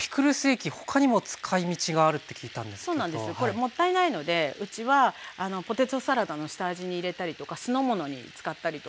これもったいないのでうちはポテトサラダの下味に入れたりとか酢の物に使ったりとか。